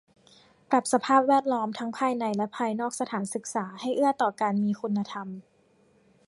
ปรับสภาพแวดล้อมทั้งภายในและภายนอกสถานศึกษาให้เอื้อต่อการมีคุณธรรม